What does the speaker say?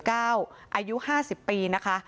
อายุ๕๐ปีนะคะ